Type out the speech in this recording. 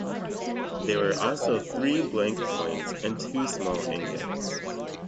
There were also three blank coins and two small ingots.